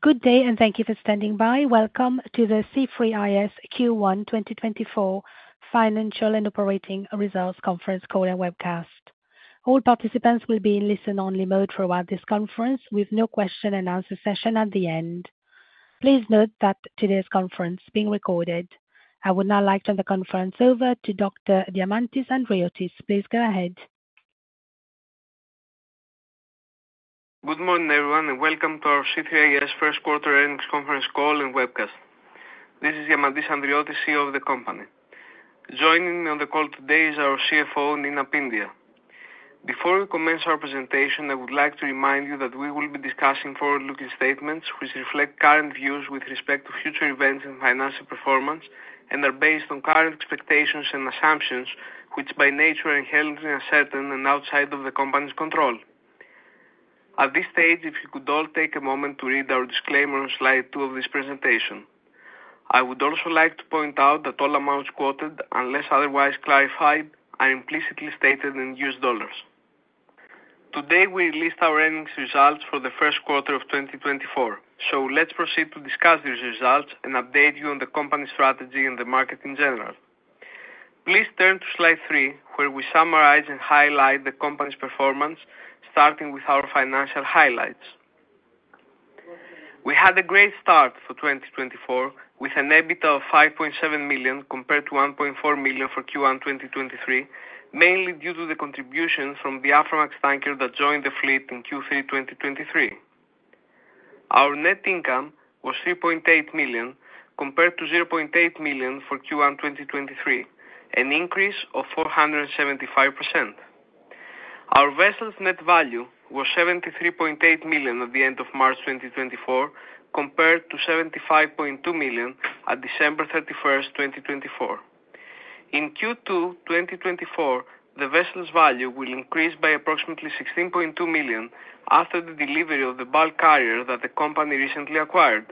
Good day, and thank you for standing by. Welcome to the C3is Q1 2024 Financial and Operating Results Conference Call and Webcast. All participants will be in listen-only mode throughout this conference, with no question and answer session at the end. Please note that today's conference is being recorded. I would now like to turn the conference over to Dr. Diamantis Andriotis. Please go ahead. Good morning, everyone, and welcome to our C3is first quarter earnings conference call and webcast. This is Diamantis Andriotis, CEO of the company. Joining me on the call today is our CFO, Nina Pyndiah. Before we commence our presentation, I would like to remind you that we will be discussing forward-looking statements, which reflect current views with respect to future events and financial performance and are based on current expectations and assumptions, which by nature are inherently uncertain and outside of the company's control. At this stage, if you could all take a moment to read our disclaimer on slide two of this presentation. I would also like to point out that all amounts quoted, unless otherwise clarified, are implicitly stated in U.S. dollars. Today, we released our earnings results for the first quarter of 2024. So let's proceed to discuss these results and update you on the company strategy and the market in general. Please turn to slide 3, where we summarize and highlight the company's performance, starting with our financial highlights. We had a great start for 2024, with an EBITDA of $5.7 million, compared to $1.4 million for Q1 2023, mainly due to the contributions from the Aframax tanker that joined the fleet in Q3 2023. Our net income was $3.8 million, compared to $0.8 million for Q1 2023, an increase of 475%. Our vessel's net value was $73.8 million at the end of March 2024, compared to $75.2 million on December 31, 2024. In Q2 2024, the vessel's value will increase by approximately $16.2 million after the delivery of the bulk carrier that the company recently acquired.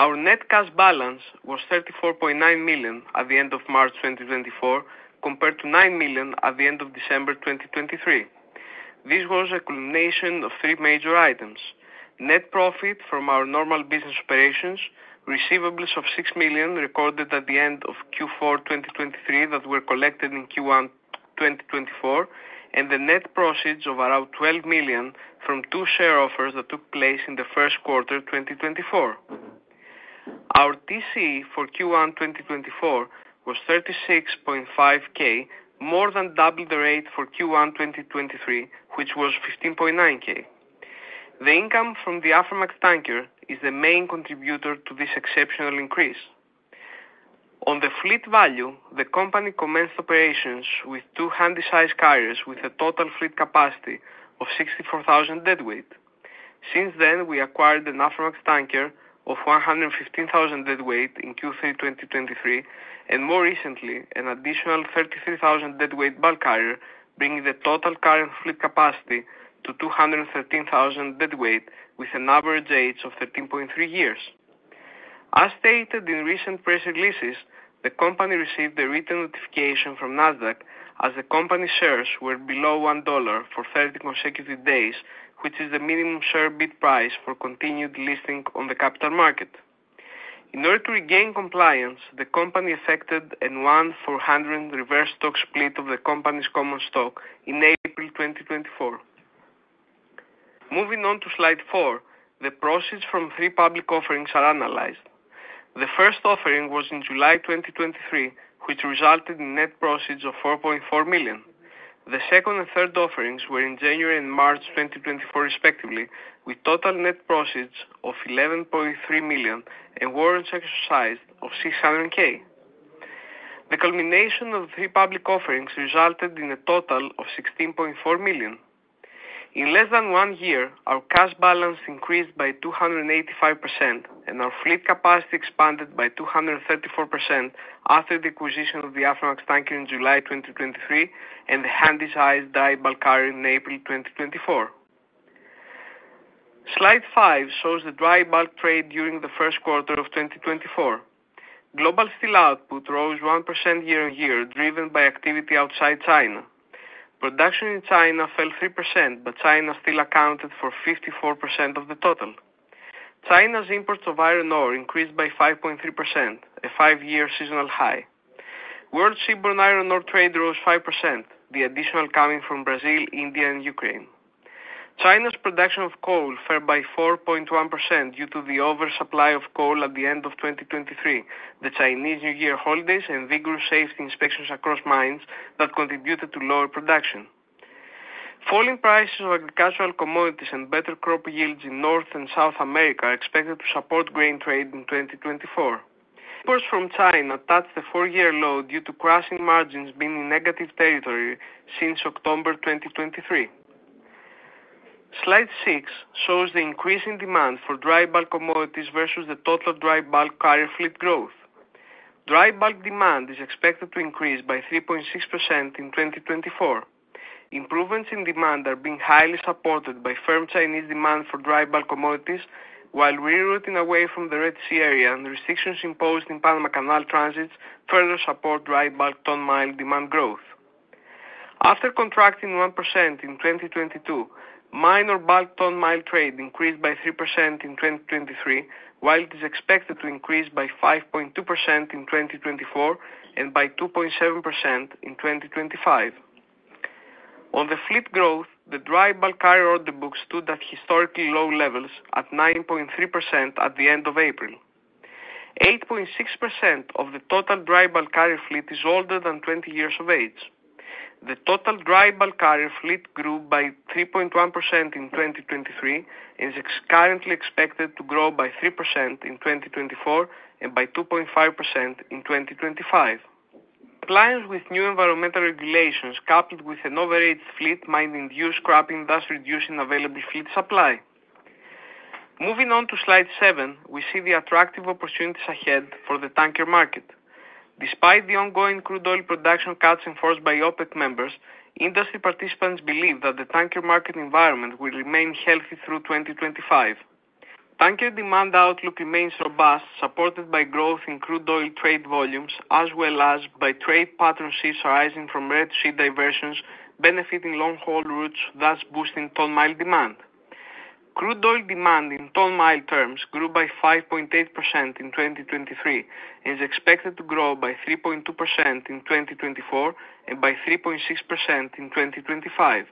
Our net cash balance was $34.9 million at the end of March 2024, compared to $9 million at the end of December 2023. This was a culmination of three major items: Net profit from our normal business operations, receivables of $6 million recorded at the end of Q4 2023 that were collected in Q1 2024, and the net proceeds of around $12 million from two share offers that took place in the first quarter 2024. Our TCE for Q1 2024 was $36.5K, more than double the rate for Q1 2023, which was $15.9K. The income from the Aframax tanker is the main contributor to this exceptional increase. On the fleet value, the company commenced operations with two Handysize carriers with a total fleet capacity of 64,000 deadweight. Since then, we acquired an Aframax tanker of 115,000 deadweight in Q3 2023, and more recently, an additional 33,000 deadweight bulk carrier, bringing the total current fleet capacity to 213,000 deadweight, with an average age of 13.3 years. As stated in recent press releases, the company received a written notification from Nasdaq as the company shares were below $1 for 30 consecutive days, which is the minimum share bid price for continued listing on the capital market. In order to regain compliance, the company effected a 1-for-100 reverse stock split of the company's common stock in April 2024. Moving on to slide four, the proceeds from three public offerings are analyzed. The first offering was in July 2023, which resulted in net proceeds of $4.4 million. The second and third offerings were in January and March 2024, respectively, with total net proceeds of $11.3 million and warrants exercise of $600,000. The culmination of the three public offerings resulted in a total of $16.4 million. In less than one year, our cash balance increased by 285%, and our fleet capacity expanded by 234% after the acquisition of the Aframax tanker in July 2023 and the Handysize dry bulk carrier in April 2024. Slide five shows the dry bulk trade during the first quarter of 2024. Global steel output rose 1% year-on-year, driven by activity outside China. Production in China fell 3%, but China still accounted for 54% of the total. China's imports of iron ore increased by 5.3%, a 5-year seasonal high. World seaborne iron ore trade rose 5%, the additional coming from Brazil, India, and Ukraine. China's production of coal fell by 4.1% due to the oversupply of coal at the end of 2023, the Chinese New Year holidays, and vigorous safety inspections across mines that contributed to lower production. Falling prices of agricultural commodities and better crop yields in North and South America are expected to support grain trade in 2024. Imports from China touched a 4-year low due to crushing margins being in negative territory since October 2023. Slide six shows the increase in demand for dry bulk commodities versus the total dry bulk carrier fleet growth. Dry bulk demand is expected to increase by 3.6% in 2024. Improvements in demand are being highly supported by firm Chinese demand for dry bulk commodities, while rerouting away from the Red Sea area and restrictions imposed in Panama Canal transits further support dry bulk ton-mile demand growth. After contracting 1% in 2022, minor bulk ton-mile trade increased by 3% in 2023, while it is expected to increase by 5.2% in 2024, and by 2.7% in 2025. On the fleet growth, the dry bulk carrier order book stood at historically low levels at 9.3% at the end of April. 8.6% of the total dry bulk carrier fleet is older than 20 years of age. The total dry bulk carrier fleet grew by 3.1% in 2023, and is currently expected to grow by 3% in 2024, and by 2.5% in 2025. Compliance with new environmental regulations, coupled with an overage fleet, might induce scrapping, thus reducing available fleet supply. Moving on to slide 7, we see the attractive opportunities ahead for the tanker market. Despite the ongoing crude oil production cuts enforced by OPEC members, industry participants believe that the tanker market environment will remain healthy through 2025. Tanker demand outlook remains robust, supported by growth in crude oil trade volumes, as well as by trade pattern seas rising from Red Sea diversions, benefiting long-haul routes, thus boosting ton mile demand. Crude oil demand in ton mile terms grew by 5.8% in 2023, and is expected to grow by 3.2% in 2024, and by 3.6% in 2025.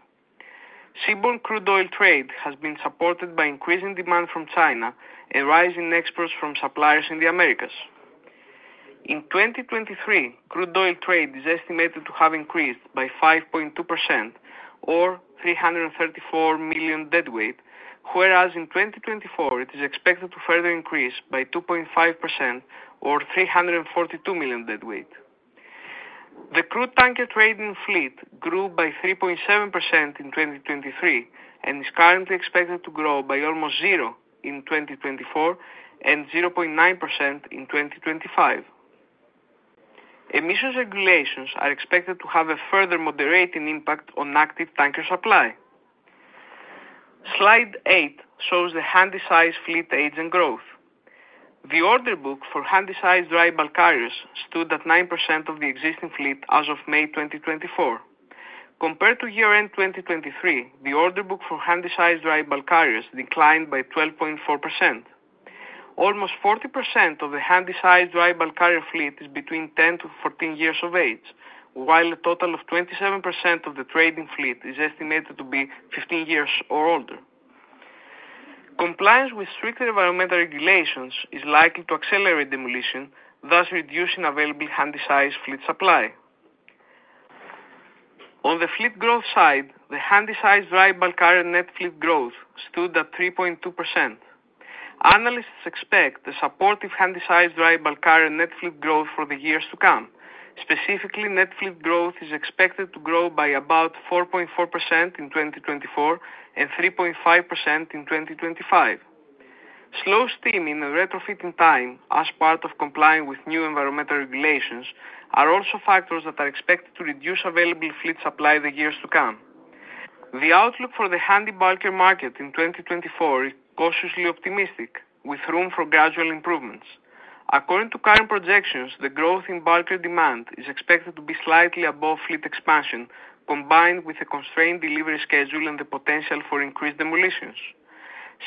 Seaborne crude oil trade has been supported by increasing demand from China and rising exports from suppliers in the Americas. In 2023, crude oil trade is estimated to have increased by 5.2% or 334 million deadweight, whereas in 2024 it is expected to further increase by 2.5% or 342 million deadweight. The crude tanker trade in fleet grew by 3.7% in 2023, and is currently expected to grow by almost zero in 2024, and 0.9% in 2025. Emissions regulations are expected to have a further moderating impact on active tanker supply. Slide eight shows the Handysize fleet age and growth. The order book for Handysize dry bulk carriers stood at 9% of the existing fleet as of May 2024. Compared to year-end 2023, the order book for Handysize dry bulk carriers declined by 12.4%. Almost 40% of the Handysize dry bulk carrier fleet is between 10-14 years of age, while a total of 27% of the trading fleet is estimated to be 15 years or older. Compliance with stricter environmental regulations is likely to accelerate demolition, thus reducing available Handysize fleet supply. On the fleet growth side, the Handysize dry bulk carrier net fleet growth stood at 3.2%. Analysts expect the supportive Handysize dry bulk carrier net fleet growth for the years to come. Specifically, net fleet growth is expected to grow by about 4.4% in 2024, and 3.5% in 2025. Slow steaming and retrofitting time as part of complying with new environmental regulations, are also factors that are expected to reduce available fleet supply in the years to come. The outlook for the handy bulker market in 2024 is cautiously optimistic, with room for gradual improvements. According to current projections, the growth in bulker demand is expected to be slightly above fleet expansion, combined with a constrained delivery schedule and the potential for increased demolitions.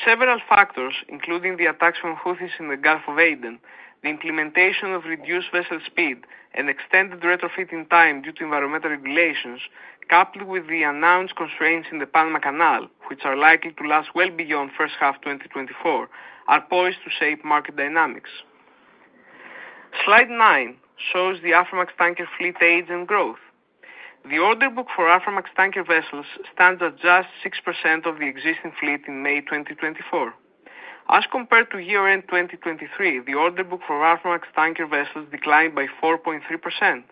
Several factors, including the attacks from Houthis in the Gulf of Aden, the implementation of reduced vessel speed and extended retrofitting time due to environmental regulations, coupled with the announced constraints in the Panama Canal, which are likely to last well beyond first half 2024, are poised to shape market dynamics. Slide nine shows the Aframax tanker fleet age and growth. The order book for Aframax tanker vessels stands at just 6% of the existing fleet in May 2024. As compared to year-end 2023, the order book for Aframax tanker vessels declined by 4.3%.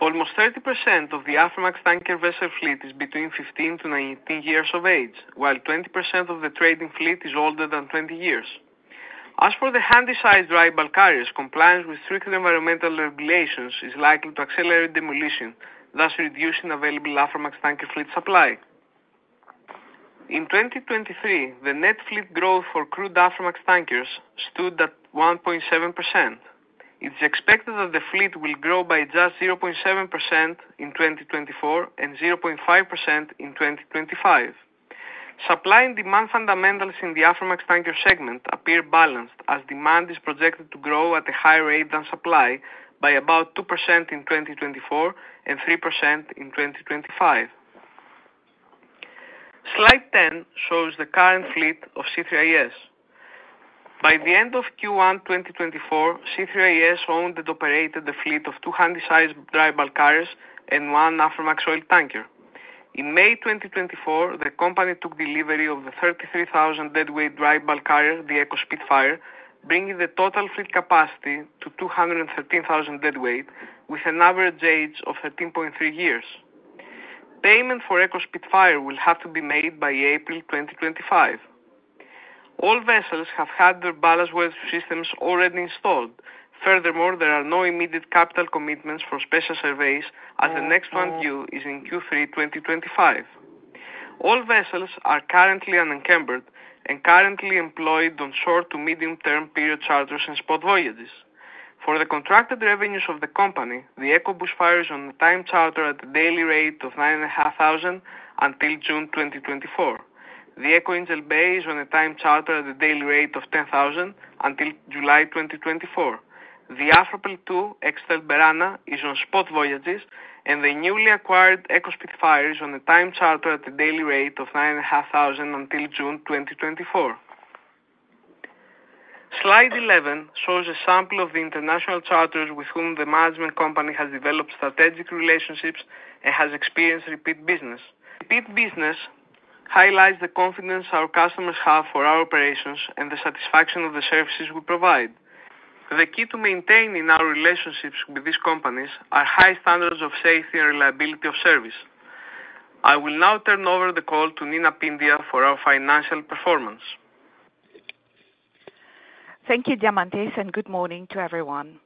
Almost 30% of the Aframax tanker vessel fleet is between 15-19 years of age, while 20% of the trading fleet is older than 20 years. As for the Handysize dry bulk carriers, compliance with stricter environmental regulations is likely to accelerate demolition, thus reducing available Aframax tanker fleet supply. In 2023, the net fleet growth for crude Aframax tankers stood at 1.7%. It's expected that the fleet will grow by just 0.7% in 2024, and 0.5% in 2025. Supply and demand fundamentals in the Aframax tanker segment appear balanced, as demand is projected to grow at a higher rate than supply by about 2% in 2024, and 3% in 2025. Slide 10 shows the current fleet of C3is. By the end of Q1 2024, C3is owned and operated a fleet of two Handysize dry bulk carriers and one Aframax oil tanker. In May 2024, the company took delivery of the 33,000 deadweight dry bulk carrier, the Eco Spitfire, bringing the total fleet capacity to 213,000 deadweight, with an average age of 13.3 years. Payment for Eco Spitfire will have to be made by April 2025. All vessels have had their ballast water systems already installed. Furthermore, there are no immediate capital commitments for special surveys, as the next one due is in Q3 2025. All vessels are currently unencumbered and currently employed on short to medium-term period charters and spot voyages. For the contracted revenues of the company, the Eco Bushfire is on a time charter at a daily rate of $9,500 until June 2024. The Eco Angel Bay is on a time charter at a daily rate of $10,000 until July 2024. The Afra Pearl II, ex-Stealth Berana, is on spot voyages, and the newly acquired Eco Spitfire is on a time charter at a daily rate of $9,500 until June 2024. Slide 11 shows a sample of the international charters with whom the management company has developed strategic relationships and has experienced repeat business. Repeat business highlights the confidence our customers have for our operations and the satisfaction of the services we provide. The key to maintaining our relationships with these companies are high standards of safety and reliability of service. I will now turn over the call to Nina Pyndiah for our financial performance. Thank you, Diamantis, and good morning to everyone.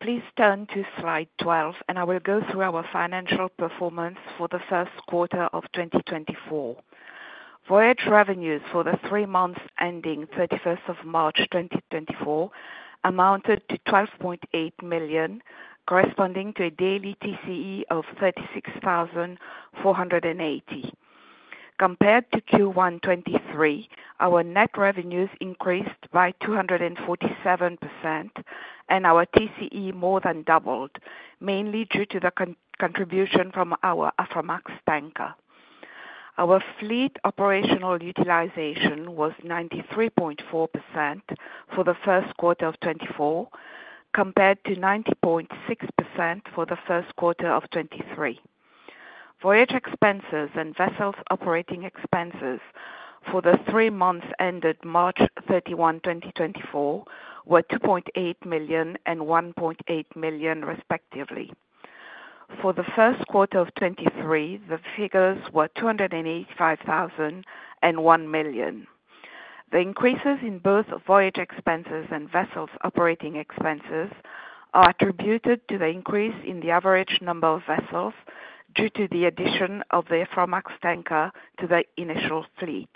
Please turn to slide 12, and I will go through our financial performance for the first quarter of 2024. Voyage revenues for the three months ending 31st of March, 2024, amounted to $12.8 million, corresponding to a daily TCE of 36,480. Compared to Q1 2023, our net revenues increased by 247%, and our TCE more than doubled, mainly due to the contribution from our Aframax tanker. Our fleet operational utilization was 93.4% for the first quarter of 2024, compared to 90.6% for the first quarter of 2023. Voyage expenses and vessels operating expenses for the three months ended March 31, 2024, were $2.8 million and $1.8 million, respectively. For the first quarter of 2023, the figures were $285,000 and $1 million. The increases in both voyage expenses and vessels operating expenses are attributed to the increase in the average number of vessels due to the addition of the Aframax tanker to the initial fleet.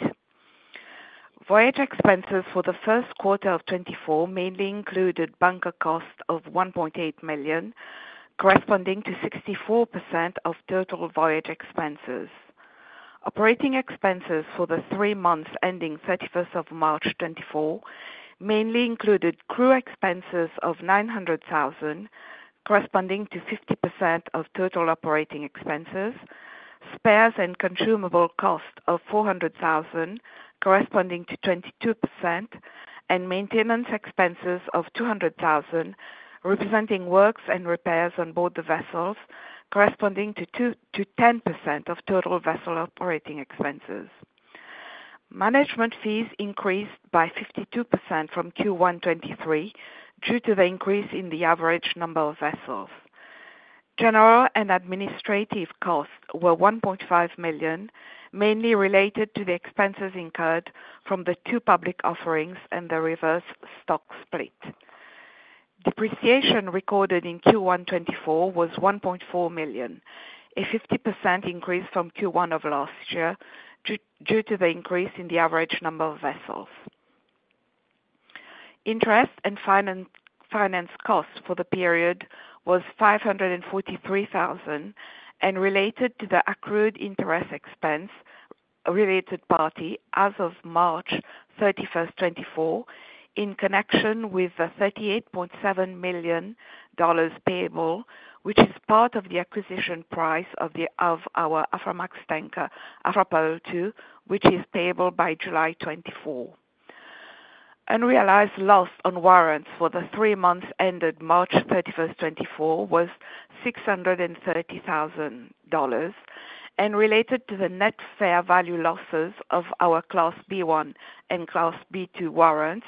Voyage expenses for the first quarter of 2024 mainly included bunker costs of $1.8 million, corresponding to 64% of total voyage expenses. Operating expenses for the three months ending March 31, 2024, mainly included crew expenses of $900,000, corresponding to 50% of total operating expenses, spares and consumable costs of $400,000, corresponding to 22%, and maintenance expenses of $200,000, representing works and repairs on board the vessels, corresponding to 2%-10% of total vessel operating expenses. Management fees increased by 52% from Q1 2023, due to the increase in the average number of vessels. General and administrative costs were $1.5 million, mainly related to the expenses incurred from the two public offerings and the reverse stock split. Depreciation recorded in Q1 2024 was $1.4 million, a 50% increase from Q1 of last year, due to the increase in the average number of vessels. Interest and finance costs for the period was $543,000, and related to the accrued interest expense to a related party, as of March 31, 2024, in connection with the $38.7 million payable, which is part of the acquisition price of our Aframax tanker, Afra Pearl II, which is payable by July 2024. Unrealized loss on warrants for the three months ended March 31, 2024, was $630,000, and related to the net fair value losses of our Class B1 and Class B2 warrants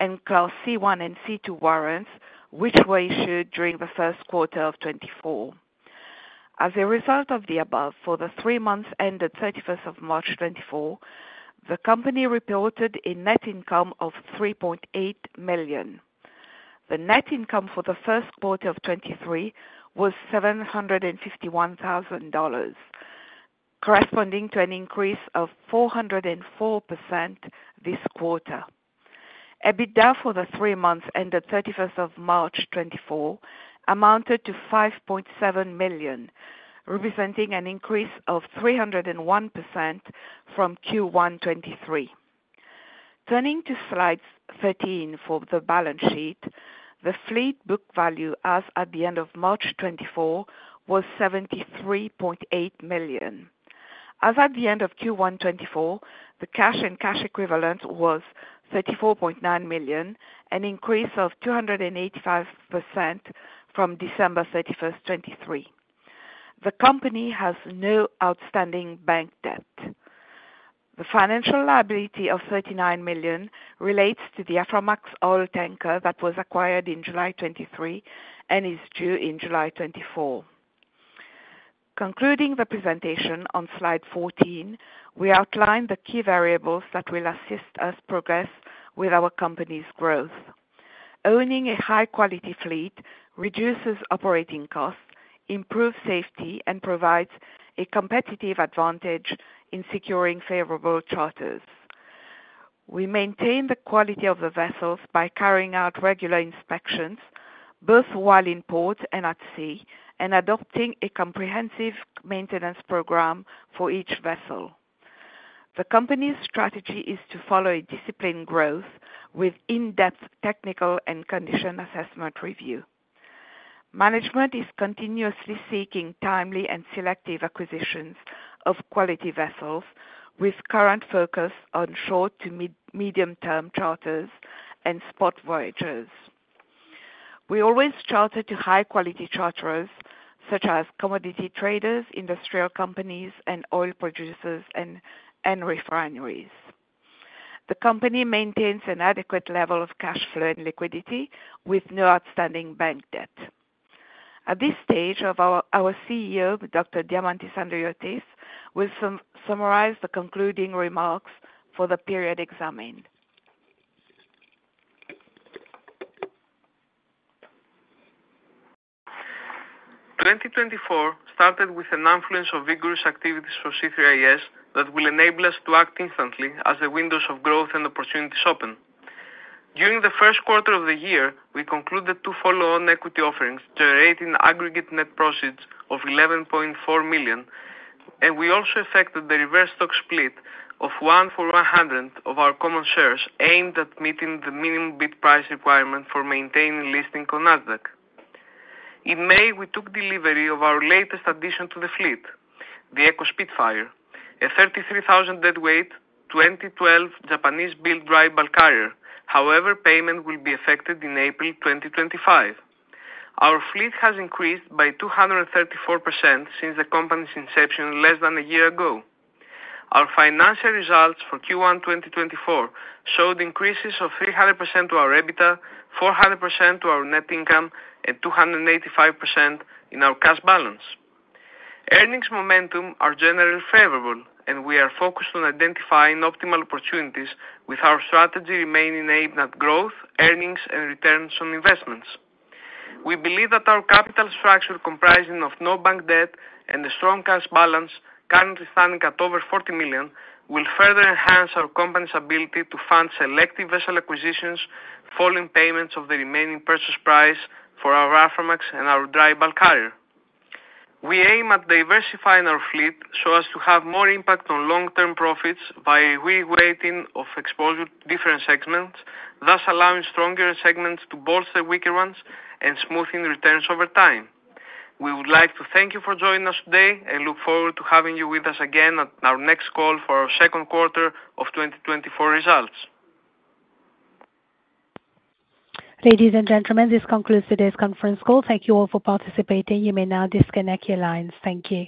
and Class C1 and C2 warrants, which were issued during the first quarter of 2024. As a result of the above, for the three months ended 31st of March, 2024, the company reported a net income of $3.8 million. The net income for the first quarter of 2023 was $751,000, corresponding to an increase of 404% this quarter. EBITDA for the three months ended 31st of March, 2024, amounted to $5.7 million, representing an increase of 301% from Q1 2023. Turning to slide 13 for the balance sheet, the fleet book value as at the end of March 2024 was $73.8 million. As at the end of Q1 2024, the cash and cash equivalent was $34.9 million, an increase of 285% from December 31, 2023. The company has no outstanding bank debt. The financial liability of $39 million relates to the Aframax oil tanker that was acquired in July 2023 and is due in July 2024. Concluding the presentation on slide 14, we outlined the key variables that will assist us progress with our company's growth.... Owning a high quality fleet reduces operating costs, improves safety, and provides a competitive advantage in securing favorable charters. We maintain the quality of the vessels by carrying out regular inspections, both while in port and at sea, and adopting a comprehensive maintenance program for each vessel. The company's strategy is to follow a disciplined growth with in-depth technical and condition assessment review. Management is continuously seeking timely and selective acquisitions of quality vessels, with current focus on short to mid, medium-term charters and spot voyages. We always charter to high quality charterers, such as commodity traders, industrial companies, and oil producers and refineries. The company maintains an adequate level of cash flow and liquidity, with no outstanding bank debt. At this stage of our CEO, Dr. Diamantis Andriotis, will summarize the concluding remarks for the period examined. 2024 started with an influence of vigorous activities for C3is that will enable us to act instantly as the windows of growth and opportunities open. During the first quarter of the year, we concluded two follow-on equity offerings, generating aggregate net proceeds of $11.4 million, and we also effected the reverse stock split of 1-for-100 of our common shares, aimed at meeting the minimum bid price requirement for maintaining listing on Nasdaq. In May, we took delivery of our latest addition to the fleet, the Eco Spitfire, a 33,000 deadweight, 2012 Japanese-built dry bulk carrier. However, payment will be effected in April 2025. Our fleet has increased by 234% since the company's inception less than a year ago. Our financial results for Q1 2024 showed increases of 300% to our EBITDA, 400% to our net income, and 285% in our cash balance. Earnings momentum are generally favorable, and we are focused on identifying optimal opportunities with our strategy remaining aimed at growth, earnings, and returns on investments. We believe that our capital structure, comprising of no bank debt and a strong cash balance currently standing at over $40 million, will further enhance our company's ability to fund selective vessel acquisitions, final payments of the remaining purchase price for our Aframax and our dry bulk carrier. We aim at diversifying our fleet so as to have more impact on long-term profits by reweighting of exposure to different segments, thus allowing stronger segments to bolster weaker ones and smoothing returns over time. We would like to thank you for joining us today, and look forward to having you with us again at our next call for our second quarter of 2024 results. Ladies and gentlemen, this concludes today's conference call. Thank you all for participating. You may now disconnect your lines. Thank you.